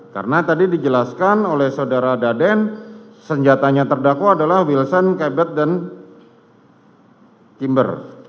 karena tadi dijelaskan oleh saudara daden senjatanya terdakwa adalah wilson cabot dan timber